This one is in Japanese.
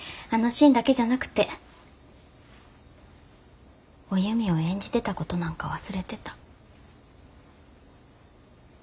あのシーンだけじゃなくておゆみを演じてたことなんか忘れてた。